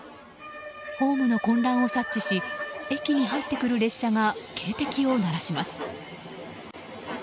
ホームの混乱を察知し駅に入ってくる列車が警笛を鳴らします。